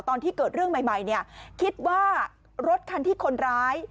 ตอนที่เกิดเรื่องใหม่เนี่ยคิดว่ารถคันที่คนร้าย